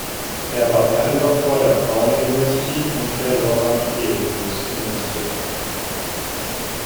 Er war Ehrendoktor der Brown University und der Lorand Eötvös Universität.